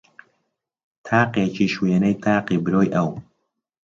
تاقێکیش وێنەی تاقی برۆی ئەو